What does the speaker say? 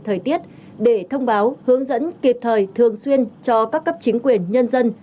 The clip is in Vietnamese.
thời tiết để thông báo hướng dẫn kịp thời thường xuyên cho các cấp chính quyền nhân dân